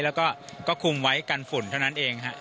แล้วก็คุมไว้กันฝุ่นเท่านั้นเองฮะ